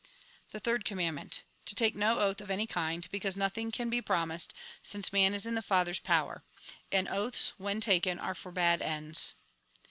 The Third Commandm ent. To take no oath of any kind ; because nothing can be promised, since man is in the Father's power ; and oaths, when taken, are for bad ends.